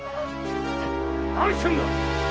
何してんだ！